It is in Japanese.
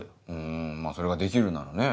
んまぁそれができるならね。